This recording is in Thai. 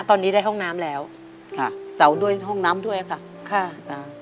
ตอนนี้ได้ห้องน้ำแล้วค่ะเสาด้วยห้องน้ำด้วยค่ะค่ะจ้ะ